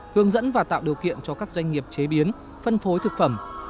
hướng dẫn và tạo điều kiện cho các doanh nghiệp chế biến phân phối thực phẩm